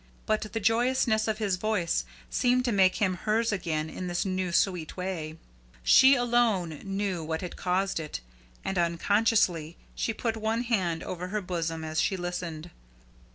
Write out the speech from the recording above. But the joyousness of his voice seemed to make him hers again in this new sweet way. She alone knew what had caused it, and unconsciously she put one hand over her bosom as she listened.